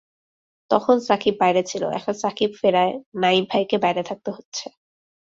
তখন সাকিব বাইরে ছিল, এখন সাকিব ফেরায় নাঈম ভাইকে বাইরে থাকতে হচ্ছে।